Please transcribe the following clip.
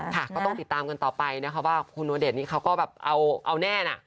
ก็ต้องติดตามกันต่อไปนะคะว่าคุณโอเดชนี่เขาก็แบบเอาแน่นะ